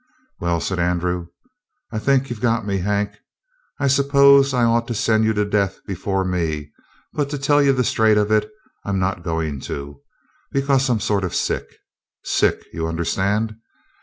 "Well," said Andrew, "I think you've got me, Hank. I suppose I ought to send you to death before me, but, to tell you the straight of it, I'm not going to, because I'm sort of sick. Sick, you understand?